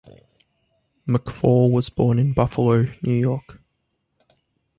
McFall was born in Buffalo, New York.